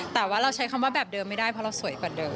แต่ว่าเราใช้คำว่าแบบเดิมไม่ได้เพราะเราสวยกว่าเดิม